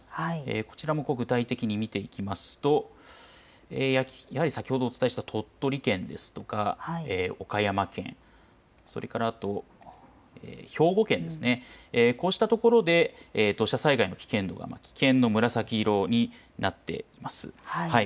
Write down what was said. こちらも具体的に見ていきますとやはり先ほどお伝えした鳥取県ですとか、岡山県、それから兵庫県、こうしたところで土砂災害の危険度が危険の紫色になっています。